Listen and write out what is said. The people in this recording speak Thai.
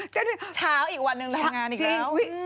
ก็เช้าอีกวันหนึ่งแรงงานอีกแล้ว